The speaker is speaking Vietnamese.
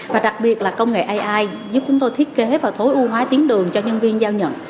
và đặc biệt là công nghệ ai giúp chúng tôi thiết kế và tối ưu hóa tuyến đường cho nhân viên giao nhận